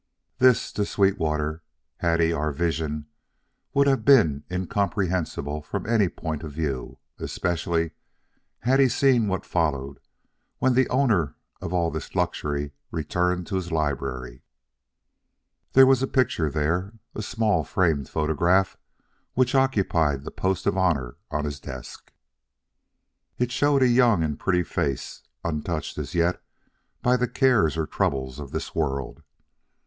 This, to Sweetwater, had he our vision, would have been incomprehensible from any point of view; especially, had he seen what followed when the owner of all this luxury returned to his library. There was a picture there; a small framed photograph which occupied the post of honor on his desk. It showed a young and pretty face, untouched, as yet, by the cares or troubles of this world.